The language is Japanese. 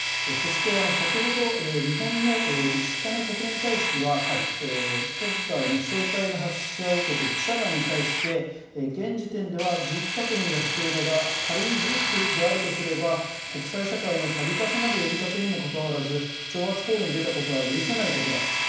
そして先ほど、日本のいしかね国連大使は、今回の飛しょう体の発射を受けて記者団に対して、現時点では事実確認が必要だが、仮に事実であるとすれば国際社会のたび重なる呼びかけにもかかわらず、挑発行為に出たことは許せないことだ。